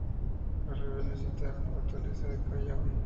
Los rebeldes sitiaron la fortaleza del Callao.